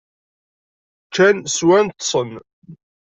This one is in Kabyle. Ččan, swan, ṭṭsen.